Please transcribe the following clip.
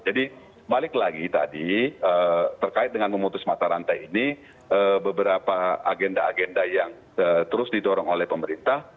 jadi balik lagi tadi terkait dengan memutus mata rantai ini beberapa agenda agenda yang terus didorong oleh pemerintah